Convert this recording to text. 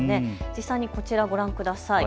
実際にこちらご覧ください。